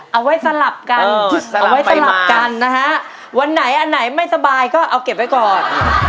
เอาไว้สลับกันเอาไว้สลับกันนะฮะวันไหนอันไหนไม่สบายก็เอาเก็บไว้ก่อน